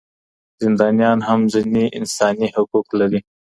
زندانيان هم ځينې انساني حقوق لري.